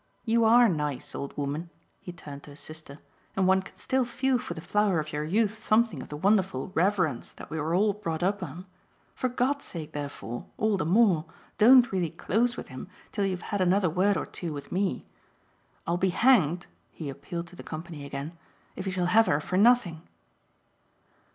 You ARE nice, old woman" he turned to his sister "and one can still feel for the flower of your youth something of the wonderful 'reverence' that we were all brought up on. For God's sake therefore all the more don't really close with him till you've had another word or two with me. I'll be hanged" he appealed to the company again "if he shall have her for nothing!"